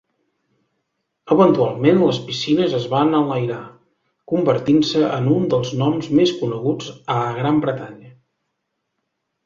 Eventualment les piscines es van enlairar, convertint-se en un dels noms més coneguts a Gran Bretanya.